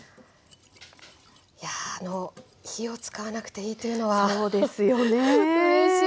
いや火を使わなくていいというのはうれしいですよね。